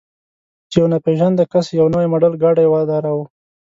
چې یو ناپېژانده کس یو نوی ماډل ګاډی ودراوه.